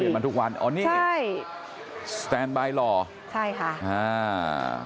มาทุกวันอ๋อนี่ใช่สแตนบายหล่อใช่ค่ะอ่า